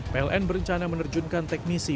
pln berencana menerjunkan teknisi